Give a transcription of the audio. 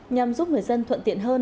nhằm giúp người dân thuận tiện hơn